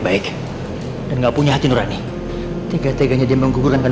bayi yang ada di dalam kandungan bu lady tidak bisa diselamatkan